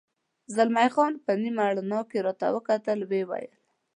زلمی خان په نیمه رڼا کې راته وکتل، ویې ویل.